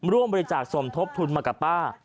ร่วมบริจาคสมทบทุนมากับป้า